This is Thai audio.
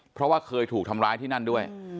เพราะว่าเคยถูกทำร้ายที่นั่นด้วย